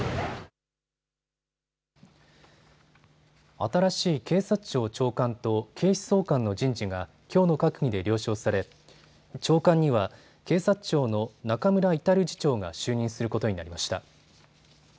新しい警察庁長官と警視総監の人事がきょうの閣議で了承され長官には警察庁の中村格次長が就任することになりました。